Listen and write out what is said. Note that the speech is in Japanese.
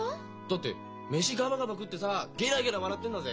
だって飯ガバガバ食ってさゲラゲラ笑ってんだぜ。